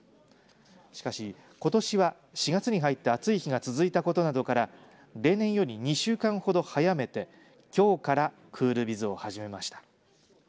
しかし、ことしは４月に入って暑い日が続いたことなどから例年より２週間ほど早めてきょうからクールビズを始めました。